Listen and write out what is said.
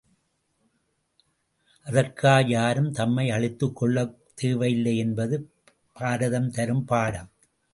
அதற்காக யாரும் தம்மை அழித்துக் கொள்ளத் தேவையில்லை என்பது பாரதம் தரும் பாடம்.